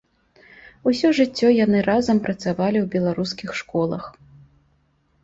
Усё жыццё яны разам працавалі ў беларускіх школах.